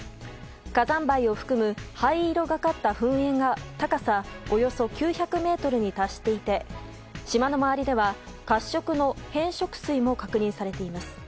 火山灰を含む灰色がかった噴煙が高さおよそ９００ｍに達していて、島の周りでは褐色の変色水も確認されています。